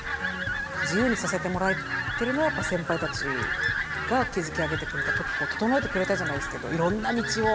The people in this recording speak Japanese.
自由にさせてもらえてるのは先輩たちが築き上げてくれた整えてくれたじゃないですけどいろんな道を。